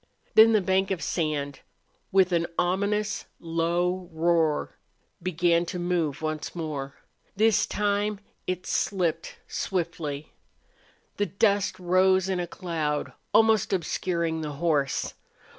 Then the bank of sand, with an ominous, low roar, began to move once more. This time it slipped swiftly. The dust rose in a cloud, almost obscuring the horse.